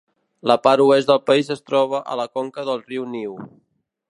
La part oest del país es troba a la conca del riu New.